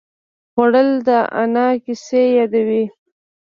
خوړل د انا کیسې یادوي